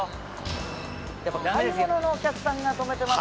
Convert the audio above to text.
やっぱ買い物のお客さんが停めてますね。